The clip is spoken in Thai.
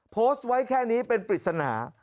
โพสต์ไว้แค่นี้เป็นปริศนา